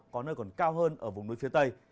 có nơi còn cao hơn ở vùng núi phía tây